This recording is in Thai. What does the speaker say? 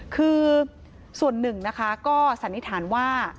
คือส่วนหนึ่งนะคะก็สันนิษฐานว่า